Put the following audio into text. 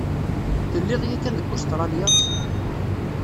Telliḍ yakan deg Ustṛalya?